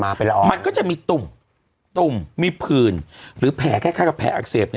มาไปละออกมันก็จะมีตุ่มตุ่มมีผื่นหรือแผลแค่แค่แผลอักเสบ